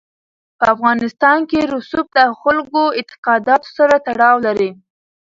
په افغانستان کې رسوب د خلکو اعتقاداتو سره تړاو لري.